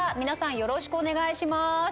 皆さんよろしくお願いしまーす。